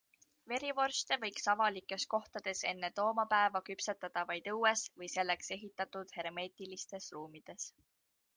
Verivorste võiks avalikes kohtades enne toomapäeva küpsetada vaid õues või selleks ehitatud hermeetilistes ruumides.